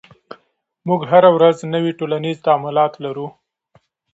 موږ هره ورځ نوي ټولنیز تعاملات لرو.